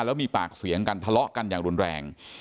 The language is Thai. แล้วมีปากเสียงกันทะเลาะกันอย่างรุนแรง